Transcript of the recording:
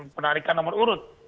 penarikan nomor urut